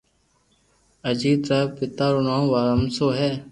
اجيت رآ پيتا رو نوم رامسو ھي